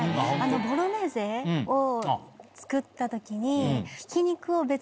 ボロネーゼを作った時に。